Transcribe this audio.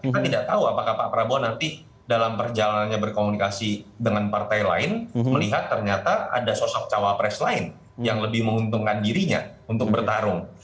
kita tidak tahu apakah pak prabowo nanti dalam perjalanannya berkomunikasi dengan partai lain melihat ternyata ada sosok cawapres lain yang lebih menguntungkan dirinya untuk bertarung